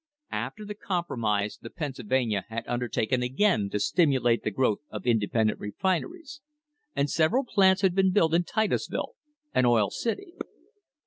After the compromise the Pennsylvania had undertaken again to stimulate the growth of independent refineries, and several plants had been built in Titusville and Oil City.